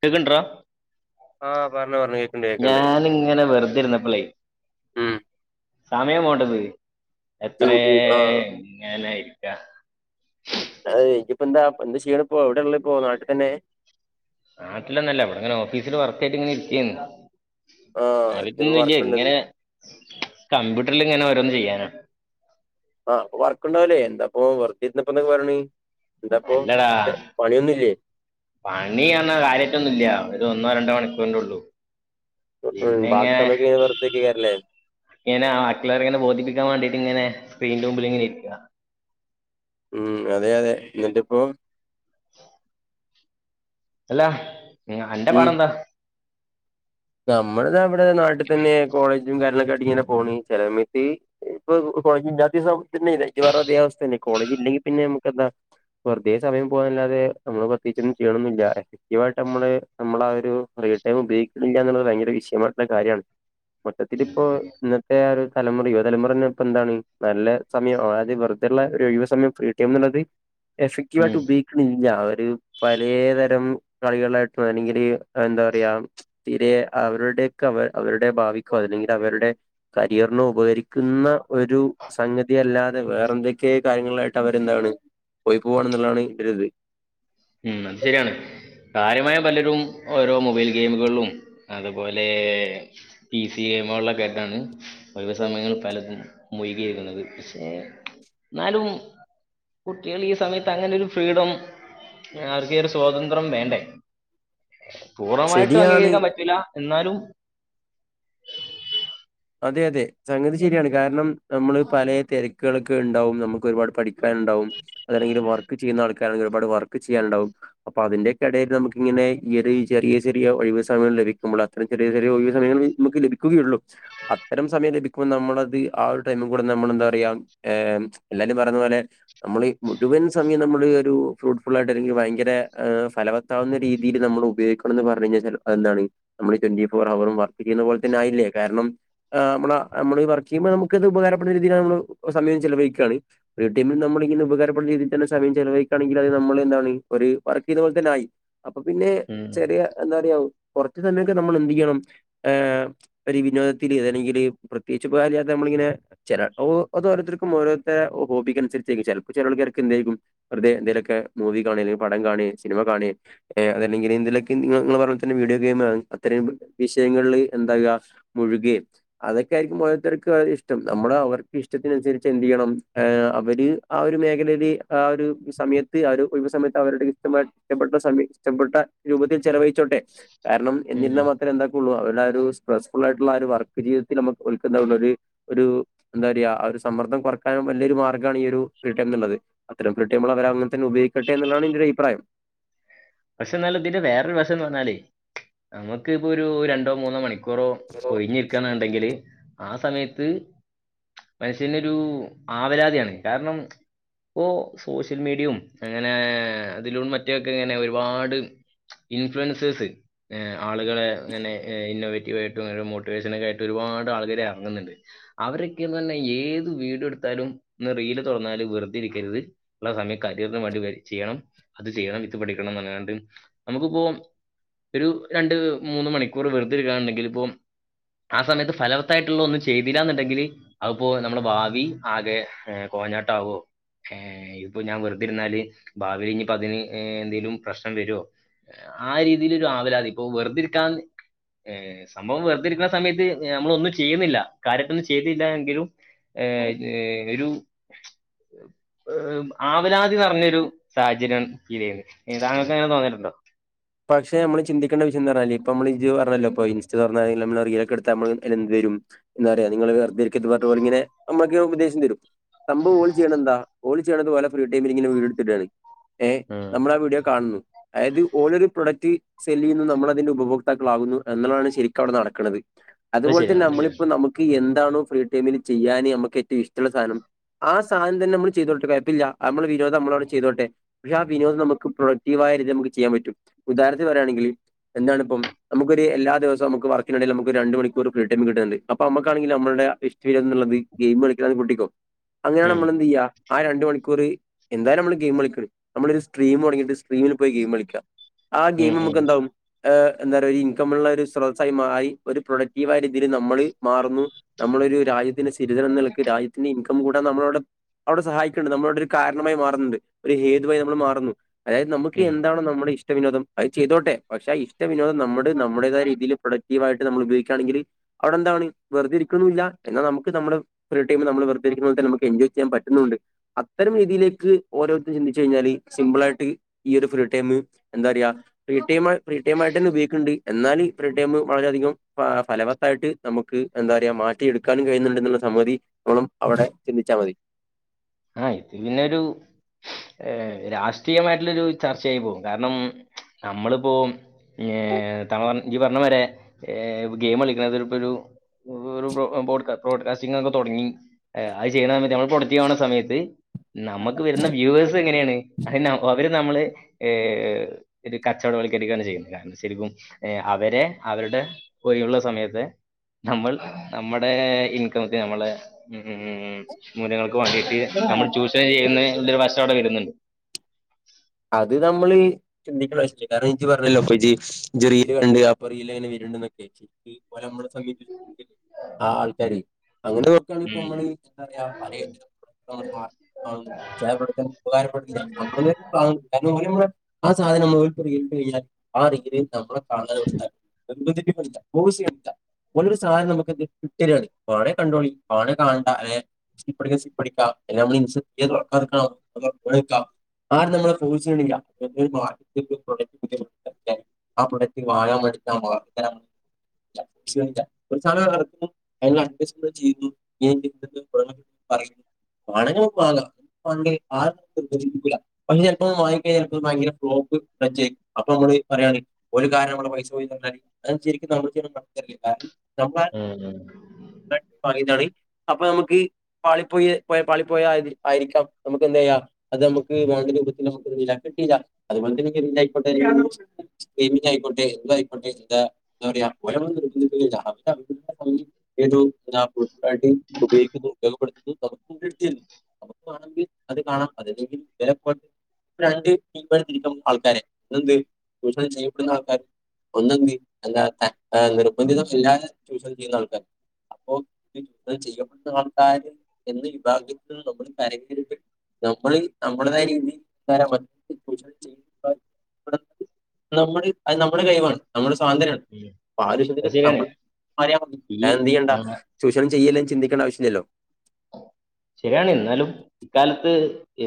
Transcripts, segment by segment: കേക്ക്ണ്ട്റാ ആഹ് പറഞ്ഞോ പറഞ്ഞോ കേക്ക്ണ്ട് കേക്ക്ണ്ട് ഞാൻ ഇങ്ങനെ വെറുതെ ഇരുന്നപ്പളെ ഉം സമയം പോണ്ടെ ഇതീല് ഉം എത്രേ ഉം ആഹ് ഇങ്ങനെ ഇരിക്കാ [unintelligible] എന്താ ചെയ്യണപ്പോ എവിടെ ഉള്ള ഇപ്പോ നാട്ടിൽ തന്നെ നാട്ടില്ലന്നല്ല ഇവിടിങ്ങനെ ഓഫീസിൽ വർക്കായിട്ടിങ്ങനെ ഇരിക്കാണ് ആഹ് ഇനിപ്പോ [unintelligible] വർക്ക്ണ്ട് ഇങ്ങനെ കമ്പ്യൂ ഗ്രില്ല്ഇങ്ങന ഓരോന്ന് ചെയ്യാനാ ആഹ് അപ്പോ വർക്ക് ഇണ്ടാവുല്ലേ എന്താപ്പേ വെർതർന്നിപ്പോപറയ്ണ അല്ലടാ പണീയർഞ്ഞാ കാര്യായിട്ടൊന്നുംല്ല ഇത് ഒന്നോ രണ്ടോ മണിക്കൂറിന്റെള്ളു ഉം ബാക്കി പിന്നെങ്ങനെ സമയൊക്കെ ഇങ്ങനെ വെറുതെരിക്കേക്കാരല്ലേ ഇങ്ങനെ ആൾക്കറെ ഇങ്ങനെ ബോധിപ്പിക്കാൻ വേണ്ടിട്ടിങ്ങനെ സ്ക്രീൻന്റെ മുമ്പിലിങ്ങനെ ഇരിക്ക ഉം അതെ അതെ എന്നിട്ടിപ്പോ അല്ലാ ന്റെ പാടന്താ നമ്മളതാവിടെ നാട്ടിൽ തന്നെ കോളേജും കാര്യങ്ങളൊക്കെ ആയിട്ടിങ്ങനെ പോണ് ചില സമയത്ത് ഇപ്പൊ കോളജിന്റെ [unintelligible] അവസ്ഥ തന്നേ കോളജില്ലെങ്കി പിന്നെ നമുക്കെന്താ വെറുതെ സമയം പോന്നല്ലാതെ നമ്മള് പ്രത്യേകിച്ചൊന്നും ചെയ്യണൊന്നില്ല എഫക്റ്റീവായിട്ട് നമ്മള് നമ്മളാ ഒരു ഫ്രിടൈം ഉപയോഗിക്കുന്നില്ലന്നുള്ളത് ഭയങ്കര വിഷയമായിട്ടുള്ള കാര്യമാണ് മൊത്തത്തി ഇപ്പോ ഇന്നത്തെ ആ ഒരു തലമുറ യുവതലമുറ തന്നെ ഇപ്പൊ എന്താണ് നല്ല സമയം [unintelligible] വെറതെയുള്ള ഒരു ഒഴിവു സമയം ഫ്രീടൈംന്നുള്ളത് ഉം എഫെക്ടീവായിട്ടുപയോഗിക്കണി ല്ലാവര് പലേതരം കളികളായിട്ട് അല്ലെങ്കില് എന്താ പറയാ തിരെ അവരുടെയൊക്കെ അവ അവരുടെ ഭാവിക്കോ അല്ലെങ്കിലവരുടെ കരിയറിനോ ഉപകരിക്കുന്ന ഒരു സംഗതിയല്ലാതെ വേറെന്തൊക്കെ കാര്യങ്ങളായിട്ട് അവരെന്താണ് പോയി പോണന്നുള്ളതാണ് ഒരിത് ഉം അത് ശരിയാണ് കാര്യമായ പലരും ഓരോ മൊബൈൽ ഗെയിമുകളും അതുപോലെ പി സി [unintelligible] കേട്ടാണ് ഒഴിവ് സമയങ്ങൾ പലതും മുഴുകിയിരിക്കുന്നത് ന്നാലും കുട്ടികൾ ഈ സമയത്ത് അങ്ങനൊരു ഫ്രീഡം ആർക്ക് ഈ ഒരു സ്വാതന്ത്യം വേണ്ടേ പൂർണ്ണമായിട്ടും ശരിയാണ് അംഗീകരിക്കാൻ പറ്റില്ലാന്നാലും അതെ അതെ സംഗതി ശരിയാണ് കാരണം നമ്മള് പലേ തിര [unintelligible] ഉണ്ടാവും നമുക്ക് ഒരുപാട് പഠിക്കാനുണ്ടാവും അല്ലെങ്കിൽ വർക്ക് ചെയ്യുന്ന ആൾക്കാണെങ്കി ഒരുപാട് വർക്ക് ചെയ്യാനുണ്ടാവും അപ്പൊ അതിന്റെക്കെയിടയിൽ നമുക്കിങ്ങനെ ഈ ഒരു ചെറിയ ചെറിയ ഒഴിവുസമയം ലഭിക്കുമ്പോൾ അത്ര ചെറിയ ചെറിയൊഴിവു നമ്മുക്ക് ലഭിക്കുകയുള്ളൂ അത്തരം സമയം ലഭി ഇപ്പനമ്മളത് ആ ഒരു ടൈമികൂടെ നമ്മളെന്താ പറയാ എ എല്ലാരും പറയുന്ന പോലെ നമ്മള [unintelligible] സമയം നമ്മളൊരു ഫ്രൂട്ട്ഫുൾ ആയിട്ട് എനിക്കുഭയങ്കരെ ഫലവത്താവുന്ന രീതിൽ നമ്മൾ ഉപയോഗിക്കണന്ന് പറ [unintelligible] എന്താണ് നമ്മൾ ട്വന്റി ഫോർ അവറും വർക്ക് ചെയുന്ന പോലെ തന്നെയായില്ലേ കാരണം ആ മ്മള് നമ്മള് വർക്ക് ചെയ്യുമ്പോ നമുക്കിത് ഉപകാരപ്പെുന്ന രീതിയിലാണ് നമ്മ സമയം ചെലവഴിക്കുവാണ് [unintelligible] ന്തെങ്കിലുപകാരപ്പെട്ട രീതിൽ തന്നെ സമയ ചിലവഴിക്കുകണെങ്കിൽ അത് നമ്മള് എന്താണ് വർക്ക് ചെയ്ത പോലെ തന്നെ ആയി അപ്പൊ പിന്നെ ഉം ചെറിയ എന്താറയാവും കുറച്ച സമയൊക്കെ നമ്മളെന്ത് ചെയ്യണം എ ഒരു വിനോദ [unintelligible] പ്രത്യേകിച്ച് [unintelligible] ചിലപ്പോ ഓരോത്തർക്കു ഓരോത്ത ഹോബിക്കനുസരിച്ച [unintelligible] എന്തെലുമൊക്കെ മൂവി കാണ പടം കാണ സിനിമ കാണ അല്ലെങ്കിലെന്തേലൊക്കെ നിങ്ങ നിങ്ങൾ എന്തേലൊക്കെ വീഡിയോ ഗെയിം അത്രം വിഷയങ്ങളില് എന്താവുക മുഴുകയും അതൊക്കെയായിരിക്കും ഓരോരുത്തർക്കിഷ്ടം നമ്മുടെ അവർക്ക് ഇഷ്ടത്തിനനുസരിച്ച് എന്ത് ചെയ്യണം ആ അവര് ആ ഒരു മേഖലയില് ആ ഒരു സമയത്ത് ആ ഒരു ഒഴിവുസമയത്ത് അവരുടെ ഇഷ്ടമായി ഇഷപ്പെട്ട സമയ ഇഷ്ടപ്പെട്ട രൂപത്തിൽ ചെലവഴിച്ചോട്ടെ കാരണം എന്നിന്ന ഉം മാത്രമേ എന്താക്കള്ളൂ അവരുടെ ഒരു സ്ട്രെസ് ഫുള്ളായിട്ടുള്ള ഒരു വർക്ക് ജീതത്തിൽ നമ്മുക്ക് [unintelligible] എന്താ പറയാ ഒരു സമ്മർദ്ദം കുറക്കാനും വലിയൊരു മാർഗമാണ് ഈ ഒരുഫ്രീടൈം എന്നുള്ളത് അത്തരം ഫ്രീടൈം അവരങ്ങനന്നെ ഉപയോഗിക്കട്ടെ എന്നതാണ് എന്റൊരു അഭിപ്രായം പക്ഷെ എന്നാലിതിന്റെ വേറൊരു വശം എന്ന് പറഞ്ഞാലേ നമുക്കിപ്പൊ ഒരു രണ്ടോ മൂന്നോ മണിക്കൂ കുറോ ഒഴിഞ്ഞിരിക്കനുണ്ടെങ്കില് ആ സമയത്ത് മനുഷ്യനൊരു ആവലാതിയാണ് കാരണം ഇപ്പോ സോഷ്യൽ മീഡിയും അങ്ങനെ അതിലൂ മറ്റൊക്കെ ങ്ങനെ ഒരുപാട് ഇൻഫ്ലുവൻസേഴ്സ് ആളുകളെ അങ്ങനെ ഇന്നൊവേറ്റീവ് ആയിട്ടും ഓരോ മോട്ടിവേഷനൊക്കയായിട്ട് ഒരുപാട് പാട് ആളുകള് ഇറങ്ങുന്നുണ്ട് അവരൊക്കെയന്ന് തന്നെ ഏത് വീഡിയോ എടുത്താലും റീൽ തുറന്നാലും ഇതു രിക്കരിത് ഉള്ള സമയം കരിയറിന് വേണ്ടി വെയിറ്റ് ചെയ്യണം അത് ചെയ്യണം ഇത് ഇവിടെ [unintelligible] എങ്ങനാണ്ട് നമുക്കിപ്പോം ഒരു രണ്ട് മൂന്ന് മണിക്കൂർ വെറുതെരിക്കണുണ്ടെങ്കിൽ ഇപ്പം ആ സമയത്ത് ഫലവത്തായിട്ടുള്ള ഒന്നും ചെയ്തില്ല എന്നിണ്ടെങ്കിൽ അതിപ്പോ നമ്മുടെ ഭാവി ആകെ ഏഹ് കോഞ്ഞാട്ടാവോ ഏഹ് ഇപ്പൊ ഞാൻ വെറുതിരിന്നാല് ഭാവിൽ ഇനിപ്പ അതിന് എന്തേ ലും പ്രശ്നം വരുവോ ആ രീതിയിലൊരു ആവലാതി ഇപ്പോ വെറുതിരിക്കാൻ ഏഹ് സംഭവം വെറുതെരിക്കുന്ന സമയത്ത് നമ്മളൊന്നും ചെയ്യുന്നില്ല കാര്യായിട്ടൊന്നും ചെയ്തില്ല എങ്കിലും എ എ ഒരു ഏഹ് ആവലാ തി നിറഞ്ഞൊരു സാഹചര്യാണ് ഫീല് ചെയ്യണത് താങ്കൾക്ക് അങ്ങനെ തോന്നിയിട്ടുണ്ടോ പക്ഷെ നമ്മള് ചിന്തിക്കണ്ട വിഷയം എന്ത പറഞ്ഞാല് ഇപ്പ നമ്മൾ ഇജ്ജ് പറഞ്ഞല്ലോപ്പ ഇൻസ്റ്റ തുറന്നാല് നമ്മള് റീലൊക്കെ എടുത്ത് നമ്മള് [unintelligible] റ്റും എന്താ പറയാ നിങ്ങള് വെറുതെ ഇരിക്കരുത് പറഞ്ഞിട്ട് ഓൾ ഇങ്ങനെ നമ്മക്ക് ഉപദേശം തരും സംഭവം ഓള് ചെയ്യണത് എന്താ ഓള് ചെയ്യണത് ഇത് പോലെ ഫ്രീ ടൈമിലിങ്ങനെ വീഡിയോ എടുത്തിട്ടാണ് ഏ ഉം നമ്മൾ ആ വീഡിയോ കാണുന്നു അതായത് ഓളോരു പ്രൊഡക്റ്റ് സെല്ല് ചെയ്യുന്നു നമ്മള് അതിന്റെ ഉപഭോക്താക്കളാകുന്നു എന്നുള്ളതാണ് ശരിക്കും അവിടെ നടക്കണത്. അത് അതുപോലെ ശരിയാണ് തന്നെ അത് ശരിയാണ് നമ്മളിപ്പോ നമുക്ക് എന്താണോ ഫ്രീ ടൈമില് ചെയ്യാനേ നമുക്ക് ഏറ്റവും ഇഷ്ടമുള്ള സാനം ആ സാധനം തന്നെ നമ്മള് ചെയ്തോട്ടെ കുഴപ്പില്ല നമ്മളെ വിനോദം നമ്മളവിടെ ചെയ്തോട്ടെ പക്ഷെ ആ വിനോദം നമുക്ക് പ്രൊക്റ്റീവാ യിട്ട് നമുക്ക് ചെയ്യാൻ പറ്റും. ഉദാഹരണത്തിന് പറയാണെങ്കില് എന്താണിപ്പം നമുക്ക് ഒരു എല്ലാ ദിവസം നമുക്ക് വർക്കിനിടേല് നമുക്ക് രണ്ട് മണിക്കൂർ ഫ്രീ ടൈം കിട്ടുന്നുണ്ട് അപ്പ നമുക്കാണെങ്കിൽ നമ്മ ൾടെ വിഷ് ചെയുന്നുളളത് ഗെയിമ് കളിക്കണതാണെന്നു കൂട്ടിക്കോ അങ്ങനാണെ ഉം നമ്മള് എന്ത് ചെയ്യാ ആ രണ്ട് മണിക്കൂർ എന്തായാലും നമ്മള് ഗെയിമ് കളിക്കണ്. നമ്മള് ഒരു സ്ട്രീം തുടങ്ങിട്ട് സ്ട്രീമില് പോയി ഗെയിമ് കളിക്കാ. ആ ഉം ഗെയിമ് ഉം നമുക്ക് എന്താവും ആഹ് എന്താ പറയാ ഇൻകമുള്ള ഒരു സ്രോതസ്സായിമായ് ഒരു പ്രൊഡക്റ്റീവ് ആയി രീതിയില് നമ്മള് മാറുന്നു നമ്മ ളൊരു രാജ്യത്തിന്റെ സിറ്റിസെൻ എന്നനിലക്ക് രാജ്യത്തിന്റെ ഇൻകം കൂടെ നമ്മളവിടെ അവിടെ സഹായിക്കെണ്ട് നമ്മളവിടെ ഒരു കാരണമായി മാറുന്നുണ്ട് ഒരു ഹേതുവായി നമ്മള് മാറുന്നു. അതായത് നമുക്ക് ഉം എന്താണോ നമ്മുടെ ഇഷ് ട വിനോദം അത് ചെയതോട്ടെ പക്ഷെ ഇഷ്ട വിനോദം നമ്മടെ നമ്മുടേതായ രീതിയില് പ്രൊഡക്ടീവായിട്ട് നമ്മള് ഉപയോഗിക്കയാണെങ്കില് അവിടെ എന്താ പണി വെറുതെ ഇരിക്കണുമില്ല എന്നാ നമുക്ക് നമ്മുടെ ഫ്രീടൈം നമ്മള് വെറുതെ ഇരിക്കുന്ന പോലെ തന്നെ നമുക്ക് എൻജോയ് ചെയ്യാൻ പറ്റുന്നു ണ്ട് അത്തരം രീതിയിലേക്ക് ഓരോരുത്തരും ചിന്തിച്ച് കഴിഞ്ഞാല് സിമ്പിൾ ആയിട്ട് ഈ ഒരു ഫീടൈമ് എന്താ പറയക ഫ്രീ ടൈമ് ഫ്രീ ടൈമ് ആയിട്ടന്നെ ഉപയോഗിക്കണെണ്ട് എന്നാല് ഫ്രീ ടൈംമ് വളരെയികം ആഹ് ഫലവത്തായി ട്ട് നമുക്ക് എന്താ പറയാ മാറ്റിയെടുക്കാനും കഴിയുന്നുണ്ട് എന്നുള്ള സമ്മതി നമ്മളും അവിടെ ചിന്തിച്ച മതി. ആഹ് ഇത് പിന്നൊരു ഏഹ് രാഷ്ട്രീയമായിട്ടുള്ളൊരു ചർച്ചയായി പോകും കാരണം നമ്മളിപ്പോ ഏഹ് താൻ പറഞ് നീ പറഞ്ഞ മാരെ ഏഹ് ഗെയിമ് കളിക്കണതൊരു ഇപ്പൊരു വെറും ബോ ബ്രോഡ്ക ബോഡ്കാസ്റ്റിംഗ് ഒക്കെ തുടങ്ങി അത് ചെയ്യുന്ന സമയത്ത് നമ്മള് പ്രോഡക്റ്റീവ് ആവണ സമയ ത് നമുക്ക് വരുന്ന വ്യൂവേഴ്സ് എങ്ങനെയാണ് അതന്നെ അവര് നമ്മളെ ഏഹ് കച്ചവടവൽക്കരിക്കുകയാണ് ചെയ്യുന്നത് കാരണം ശരിക്കും അവരെ അ വരുടെ ഒയിവുള്ള സമയത്തെ നമ്മൾ നമ്മുടെ ഇൻകം ആക്കി നമ്മളെ ഇം മൂല്യങ്ങൾക്ക് വേണ്ടിട്ട് നമ്മൾ ചൂഷണം ചെയ്യുന്ന് എന്നൊരു വശം അവിടെ വരുന്നുണ്ട് അത് നമ്മള് ചിന്തിക്കണ്ട ആവശ്യില്ല കാരണം ഇജ്ജ് പറഞ്ഞല്ലോ ഇജ്ജ് ഇജ്ജ് റീല് കണ്ട് അപ്പൊറീല് എങ്ങനെ വരും [unintelligible] ആ ആൾക്കാര് അങ്ങനെ നോക്കാണെ ഇപ്പ ഉം. നമ്മള് എന്താ പറയാ [unintelligible] [unintelligible] ചെല പ്രവര്‍ത്തനം ഉപകാരപ്പെടനിണ്ട് നമ്മളിങ്ങനെ [unintelligible] ആ സാധനം [unintelligible] കഴിഞ്ഞാൽ [unintelligible] നമ്മള് കാണാതെ പഠിക്ക്യ എമ്പതെറ്റിക് അല്ല [unintelligible] ഓലൊരു സാധനം നമുക്ക് ഗി ഗിഫ്റ്റ്തരാണ് വേണേ കണ്ടോളി വേണേ കാണണ്ട ഏഹ് സ്കിപ്പ് അടിക്കണോങ്കിൽ സ്കിപ്പ് അടിക്കാ ഏഹ് നമ്മള് [unintelligible] ആരും നമ്മളെ ഫോഴ്സ് ചെയ്യണില്ല [unintelligible] ആ പ്രോഡക്റ്റ് വാങ്ങാം മേടിക്കാം [unintelligible] [unintelligible] പറയ് വേണങ്കി നമുക്ക് വാങ്ങാം വേണ്ടേ ആരും നമ്മളെ നിർബന്ധിക്കൂല പക്ഷെ ചിലപ്പോ വാങ്ങി കയിഞ്ഞാല് ചെലപ്പോ ഭയങ്കര ഫ്ലോക്ക് അപ്പൊ ഞമ്മള് പറയാണ് ഒരു കാരണം നമ്മ പൈസ [unintelligible] ശരിക്കും [unintelligible] കാരണം ഉം ഉം. നമ്മളെ [unintelligible] അപ്പൊ ഞമുക്ക് പാളിപ്പോയി പോയ പാളി പോയ ആയിരിക്കാം ഞമുക്ക് എന്ത ചെയ്യാം അത് ഞമുക്ക് വേണ്ട രൂപത്തിൽ നമുക്ക്എന്തായീല കിട്ടീല അതുപോലെ തന്ന ആയിക്കോട്ടെ [unintelligible] ആയിക്കോട്ടെ [unintelligible] കടി ഉപയോഗിക്കുന്നു [unintelligible] അത് കാണാം അല്ലെങ്കിൽ [unintelligible] രണ്ട് ടീമായി തിരിക്കണം ആൾക്കാരെ എന്ത് ചൂഷണം ചെയ്യപ്പെടുന്ന ആൾക്കാര് ഒന്ന് എന്ത് അല്ലാത്ത നിർബന്ധിത മില്ലാതെ ചൂഷണം ചെയ്യുന്ന ആൾക്കാർ അപ്പൊ കി ത് ചെയ്യപ്പെട്ട ആൾക്കാര് എന്ന വിഭാഗ്യത്തിൽ നിന്ന് നമ്മൾ കരഞ്ഞരുത് നമ്മൾ രീതികാരം ചൂഷണം ചെയ്യ [unintelligible] നമ്മള് അത് നമ്മുളെ കഴിവാണ് നമ്മ [inaudible] അത് ശരിയാണ് ഈ എന്ത്, ചെയ്യണ്ട, ആ, ചൂഷണം ചെയ്യല്ലേ? ചിന്തിക്കണ്ട, ആവശ്യല്യല്ലോ? ശെരിയാണ്. ന്നാലും, ഇക്കാലത്ത്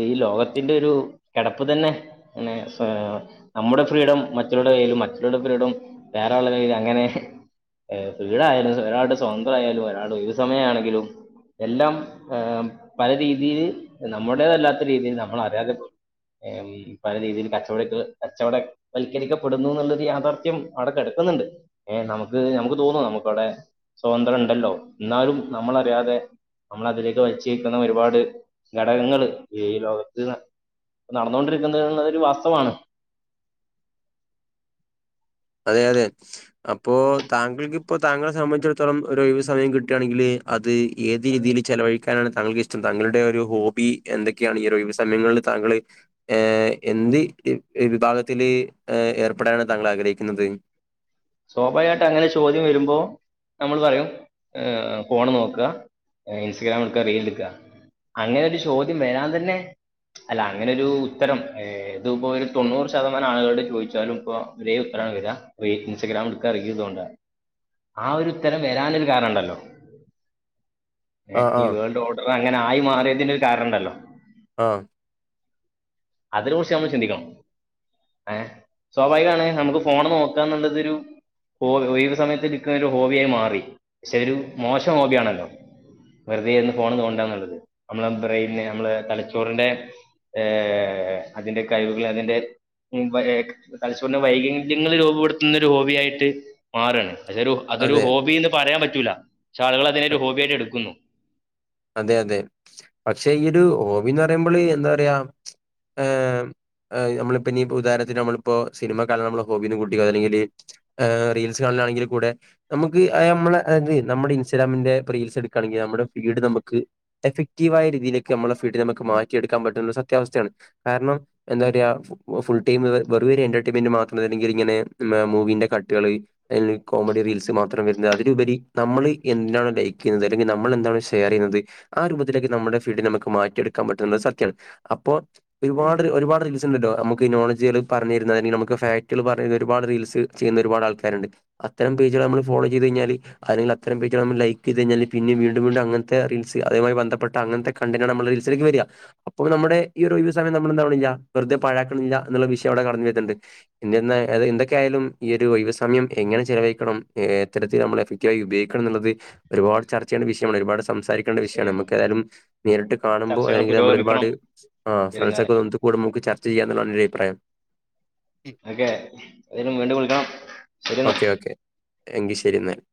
ഈ ലോകത്തിന്റെ, ഒരു കിടപ്പ് തന്നെ ങ്ങനെ? ആഹ്, നമ്മുടെ, ഫ്രീഡം മറ്റുള്ള കയ്യിലും. മറ്റുള്ളോരെ ഫ്രീഡം, വേറെ ആൾടെ കയ്യിലും. അങ്ങനെ? ഏ, ഫ്രീടായാലും, ഒരാളുടെ സ്വന്തം ആയാലും, ഒരാളുടെ ഒഴിവുസമയ ണെങ്കിലും, എല്ലാം! ഏ, പല രീതിയില്, നമ്മുടേതല്ലാത്ത രീതിയിൽ നമ്മൾ, അറിയാതെ പോ. ഏ, ഈ, പല രീതിയിൽ, കച്ചവട കച്ചവട വൽക്കരിക്കപ്പെടുന്നു. ന്ന്ള്ളരു യാഥാർത്ഥ്യം അവിടെക്കെടക്കും... ണ്ട്, ഏ, നമുക്ക് നമുക്ക് തോന്നും. നമുക്കവിടെ സ്വതന്ത്രം ണ്ടല്ലോ? ന്നാലും നമ്മളറിയാതെ. നമ്മളെ, അതിലേക്ക് വൽച്ചേയ്ക്കുന്ന ഒരുപാട് ഘടകങ്ങൾ ഈ, ലോകത്ത്.. നടന്നൊണ്ടിരിക്കുന്നത്, എന്നതൊരു വാസ്തവാണ്. അതെ, അതെ, അപ്പൊ, താങ്കൾക്ക് ഇപ്പൊ, താങ്കളെ, സംബന്ധിച്ചിടത്തോളം ഒരു, ഒയിവ്, സമയം, കിട്ടാണെകില്. അ അത്, ഏത്, രീതിയില് ചെലവഴിക്കാനാണ് താങ്കൾക്ക് ഇഷ്ടം. താങ്കളുടെ, ഒരു, ഹോബി, എന്തൊക്കെയാണ്? ഈ- ഒഴിവ്സമയങ്ങളിൽ? ത താങ്കള്, ഏ, എന്ത്, വിഭാഗത്തില് ഏർപ്പെടാനാണ്. താങ്കൾ, ആഗ്രഹി പിന്നെ, ന്തേ? സ്വാഭാവികായിട്ട് അങ്ങനെ ചോദ്യം വരുമ്പോ? നമ്മൾ പറയും. ഏ ഫോൺ നോക. എ ഇൻസ്റ്റഗ്രാം, എട്ക്കാ, റീല്, എട്ക്കാ. അങ്ങനെ, ഒരു, ചോദ്യം വരാൻ തന്നെ! അല്ല, അങ്ങനെ ഒരു ഉ, ഉത്തരം. ഏ ത്പ്പോ, ഒരു, തൊണ്ണൂറ്, ശതമാനം ആളുകൾട്, ചോയ്ച്ചാലും ഇപ്പൊ, ഒരേ ഉത്തരം. [unintelligible] Instagram ഇട്ക്കാ reel തോണ്ടാ. ആ ഒരുത്തരം വരാനൊരു കാരണം ണ്ടല്ലോ? ഏ, ആഹ് ഈ, ആഹ് വേൾഡ് ഓഡറ് അങ്ങനെ ആയി മാറിയതിന് ഒരു, കാരണം ണ്ടല്ലോ? ആഹ്. അതിന കുറിച്ച്, ഞമ്മള്, ചിന്തിക്കണം? ഏ, സ്വാഭാവികാണ്, ഞമ്മക്ക് ഫോണ് നോക്കാന്നുള്ളതരു. ഹോ, ഒഴിവ് സമയത്ത് ഇൻക്കതൊരു ഹോബിയായി മാറി. ക്ഷെ, ഒരു, മോശം ഹോബിയാണല്ലോ? വെറുതെര്ന്ന്. ഫോൺ, തോണ്ടന്നുള്ളത്. നമ്മളെ, ബ്രെയിന്, നമ്മളെ, തലച്ചോറിന്റെ. ഏ, അതിന്റെ കഴിവുകൾ, അതിന്റെ... ഏ, തലച്ചോറിന്റെ വൈക് ല്യങ്ങള്- രൂപപ്പെടുത് ന്നൊരു ഹോബി, ആയിട്ട്, മാറാണ്. ക്ഷേ തൊരു, അതൊരു, അതെ. ഹോബിന്ന് പറയാൻ പറ്റൂല. ക്ഷെ ആളുകള്, അതിനൊരു ഹോബിയായിട്ട് എടുക്കുന്നു. അതെ, അതെ, പക്ഷെ, ഈ, ഒരു ഹോ ബിന്ന് പറയുമ്പള്, എന്താ പറയാ. [unintelligible] ഹേ, നമ്മളിപ്പോ, ഇനി പ്പൊ, ഉദാഹരണത്തിന് നമ്മള് പ്പൊ, സിനിമ കാണാ നമ്മള, ഹോബിന്ന് കൂട്ടിക്കോ? അല്ലെങ്കില്, ആഹ്, റീൽസ് കാണ. അങ്ങനെണെങ്കിൽക്കൂടെ, ഞമ്മക്ക് ആ നമ്മളെ, അത്, നമ്മുടെ ഇൻസ്റ്റാഗ്രാമിന്റെ പ്പ, റീൽസ് എടുക്കയാണെങ്കിൽ നമ്മുടെ ഫീഡ് നമ്മ.. ക്ക്, എഫക്റ്റീവ് ആയ, രീതിയിലേക്ക് നമ്മടെ ഫീൽഡിനെ നമ്മക്ക്, മാറ്റിയെടുക്കാൻ പറ്റുന്ന സത്യാവസ്ഥയാണ്. കാരണം എന്ത? റയാ, ഫു, ഫുൾ ടൈമ് വെ വെറുമൊരു എൻ്റർടൈമിന് മാത്രണെങ്കി, ഇങ്ങനെ മൂവിൻ്റെ കട്ടുകള്... കോമഡി, റീൽസ് മാത്രം വരുന്നത്. അതിലുപരി നമ്മള് എന്തിനാണ് ലൈക്ക് ചെയ്യുന്നത്. അല്ലെങ്കിൽ നമ്മൾ എന്താണ് ഷെയർ ചെയ്യുന്നത്. ആ രൂപത്തിലേക്ക് നമ്മുടെ ഫീൽഡിനെ നമുക്ക് മാറ്റിയെടുക്കാൻ പറ്റൂന്നത് സത്യമാണ് അപ്പോ ഒരുപാട് ഒരുപാട് റീൽസ് എന്നിട്ടോ നമ്മക്ക് നോളഡ്ജ്കള് പറഞ്ഞു തരുന്ന അല്ലെങ്കി നമുക്ക് ഫാക്ടുകള് പറഞ്ഞു തരുന്ന ഒരുപാട് റീൽസ് ചെയ്യുന്ന ഒരുപാട് ആൾക്കാരുണ്ട്. അത്തരം പേജുകള് നമ്മള് ഫോളോ ചെയ്ത് കഴിഞ്ഞാല് അല്ലെങ്കിൽ അത്തരം പേജുകള് നമ്മള് ലൈക്ക് ചെയ്തു കഴിഞ്ഞാല് പിന്നെ വീണ്ടും വീണ്ടും അങ്ങനത്തെ റീൽ സ് അതുമായി ബന്ധപ്പെട്ട അങ്ങനത്തെ കണ്ടൻ്റാണ് നമ്മൾടെ റീൽസിലേക്ക് വരാ. അപ്പ നമ്മുടെ ഈ ഒരു ഒഴിവു സമയം എന്താവണില്ല വെറു തെ പഴാക്കണില്ല എന്നുള്ള വിഷയം അവിടെ കടന്നു വരുന്നുണ്ട്. എന്തിരുന്നാ എന്തൊക്കെയായാലും ഈ ഒരു ഒഴിവു സമയം എങ്ങനെ ചെലവഴിക്കണം എത്തരത്തിൽ നമ്മൾ എഫക്ടീവായി ഉപയോഗിക്കണം എന്നുള്ളത് ഒരുപാട് ചർച്ച ചെയ്യണ വിഷയമാണ്. ഒരുപാട് സംസാരി ക്കേണ്ട വിഷയമാണ്. ശരിയാണ് നമുക്കേതായാലും നേരിട്ട് കാണുമ്പോ ചർച്ചകൾ അല്ലെങ്കി നമ്മൾ ഒരുപാട് പുരോഗമിക്കണം വരും ഫ്രണ്ട്സൊക്കെ കാലങ്ങളിൽ ഒന്നിച്ചു കൂടുമ്പേ നമുക്ക് ചർ ച്ച ചെയ്യാ എന്നുള്ളതാണ് എന്റെ അഭിപ്രായം. ഓക്കെ അ [unintelligible] വീണ്ടും വിളിക്കണം ശരിയെന്നാ. എങ്കി ശരിയെന്നാല്.